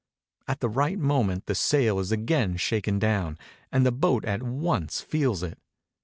At the right moment the sail is again shaken down; and the boat at once feels it.